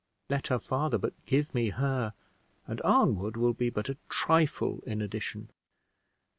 Let her father but give me her, and Arnwood will be but a trifle in addition!"